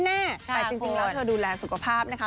แน่แต่จริงแล้วเธอดูแลสุขภาพนะคะ